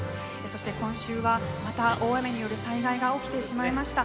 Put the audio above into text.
そして今週はまた大雨による災害が起きてしまいました。